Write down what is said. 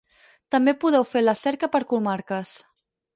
També podeu fer la cerca per comarques.